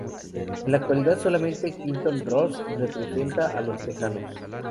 En la actualidad, solamente Quinton Ross representa a los tejanos.